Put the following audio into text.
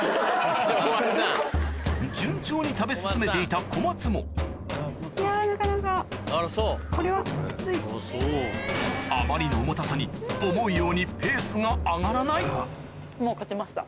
順調に食べ進めていた小松もあまりの重たさに思うようにもう勝ちました？